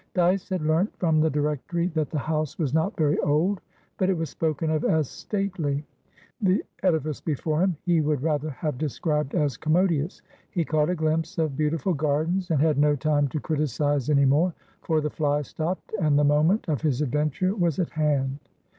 Dyce had learnt from the directory that the house was not very old, but it was spoken of as "stately;" the edifice before him he would rather have described as "commodious." He caught a glimpse of beautiful gardens, and had no time to criticise any more, for the fly stopped and the moment of his adventure was at hand.